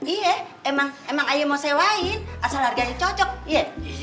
iya emang ayah mau sewain asal harganya cocok ya